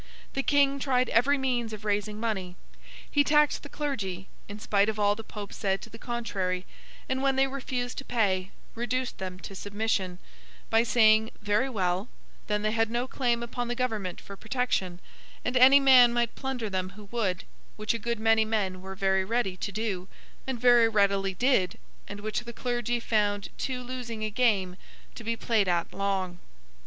The King tried every means of raising money. He taxed the clergy, in spite of all the Pope said to the contrary; and when they refused to pay, reduced them to submission, by saying Very well, then they had no claim upon the government for protection, and any man might plunder them who would—which a good many men were very ready to do, and very readily did, and which the clergy found too losing a game to be played at long.